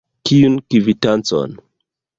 Kiun kvitancon?